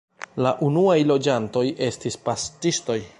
La unuaj loĝantoj estis paŝtistoj.